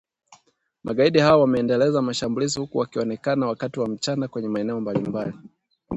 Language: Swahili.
Magaidi hao wameendeleza mashambulizi huku wakionekana wakati wa mchana kwenye maeneo mbali mbali